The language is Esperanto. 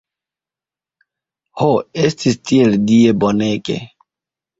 Ho, estis tiel Die bonege!